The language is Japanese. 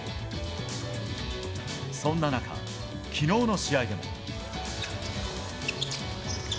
そんな中、きのうの試合でも。